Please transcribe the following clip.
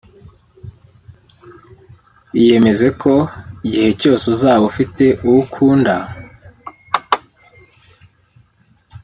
Iyemeze ko igihe cyose uzaba ufite uwo ukunda